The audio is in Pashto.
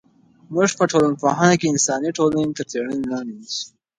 موږ په ټولنپوهنه کې انساني ټولنې تر څېړنې لاندې نیسو.